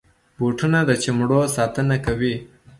بوټونه د چمړو ساتنه کوي.